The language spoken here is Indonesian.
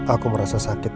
aku merasa sakit